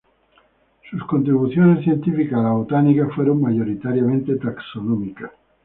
Sus contribuciones científicas a la Botánica fueron mayoritariamente taxonómicas.